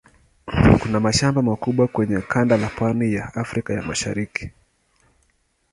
Kuna mashamba makubwa kwenye kanda la pwani ya Afrika ya Mashariki.